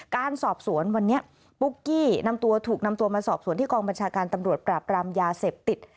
การสอบสวนวันนี้ปุ๊กกี้นำตัวถูกนำตัวมาสอบสวนที่กองบัญชาการตำรวจปราบรามยาเสพติด